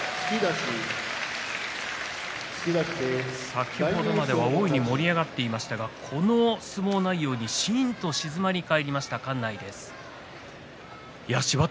先ほどまでは大いに盛り上がっていましたがこの相撲内容にしーんと静まり返りました館内です。